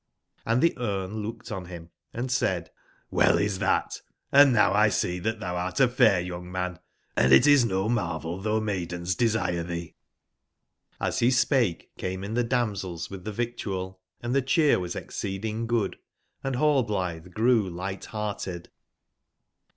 Hnd the Grne looked on him and said: '' ^ell is that! and nowlsee that thou art afair young man, & it is no marvel though maidens desire thee." Hs he spake came in the damsels with the victual, and the cheer was exceeding good, and Rallbl ithe grew light/hearted.